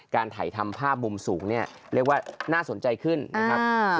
การถ่ายทำภาพมุมสูงเนี่ยเรียกว่าน่าสนใจขึ้นนะครับ